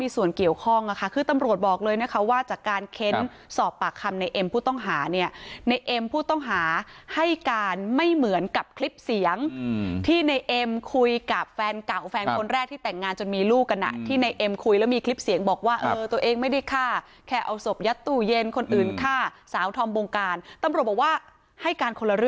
ส่วนเกี่ยวข้องนะคะคือตำรวจบอกเลยนะคะว่าจากการเค้นสอบปากคำในเอ็มผู้ต้องหาเนี่ยในเอ็มผู้ต้องหาให้การไม่เหมือนกับคลิปเสียงที่ในเอ็มคุยกับแฟนเก่าแฟนคนแรกที่แต่งงานจนมีลูกกันอ่ะที่ในเอ็มคุยแล้วมีคลิปเสียงบอกว่าเออตัวเองไม่ได้ฆ่าแค่เอาศพยัดตู้เย็นคนอื่นฆ่าสาวธอมบงการตำรวจบอกว่าให้การคนละเรื่อง